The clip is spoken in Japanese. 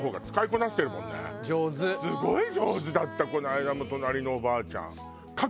すごい上手だったこの間も隣のおばあちゃん。